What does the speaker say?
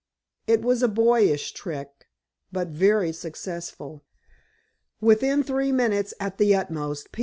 It was a boyish trick, but very successful. Within three minutes, at the utmost, P. C.